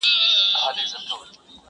پلاره مه پرېږده چي ورور مي حرامخور سي،